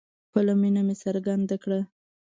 خپله مینه مې څرګنده کړه